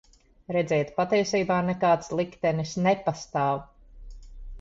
Redziet, patiesībā nekāds liktenis nepastāv.